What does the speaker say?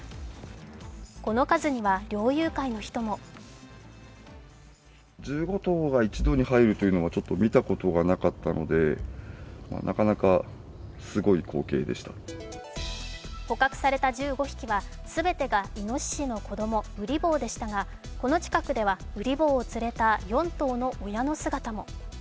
この数には猟友会の人も捕獲された１５匹は全てがイノシシの子供、うり坊でしたが、この近くではうり坊を連れた４頭の親の姿も。